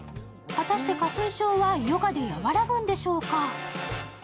果たして花粉症はヨガで和らぐんでしょうか？